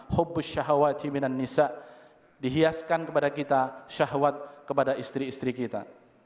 hubbush syahwatim minan nisa' dihiaskan kepada kita syahwat kepada istri istri kita